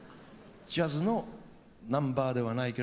ジャズのナンバーではないけれども。